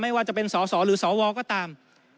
ว่าจะเป็นสสหรือสวก็ตาม